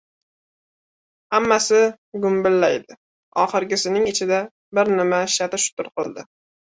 Hammasi gumbillaydi. Oxirgisining ichida bir nima shatir-shutir qildi.